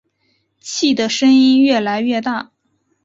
气的声音越来越大